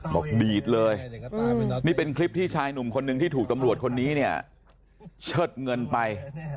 บอกดีดเลยนี่เป็นคลิปที่ชายหนุ่มคนนึงที่ถูกตำรวจคนนี้เนี่ยเชิดเงินไป